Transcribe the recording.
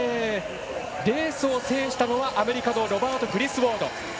レースを制したのはアメリカのロバート・グリスウォード。